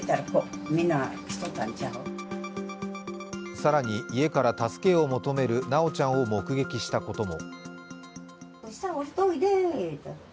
更に、家から助けを求める修ちゃんを目撃したことも。